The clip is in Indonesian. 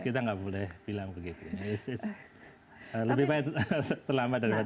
kita nggak boleh bilang begitu lebih baik terlambat daripada dulu